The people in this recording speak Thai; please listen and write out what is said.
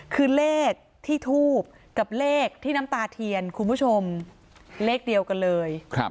คือเลขที่ทูบกับเลขที่น้ำตาเทียนคุณผู้ชมเลขเดียวกันเลย